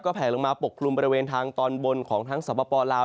แผลลงมาปกคลุมบริเวณทางตอนบนของทั้งสปลาว